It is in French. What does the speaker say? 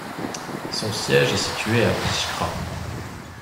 Son siège est situé à Biskra.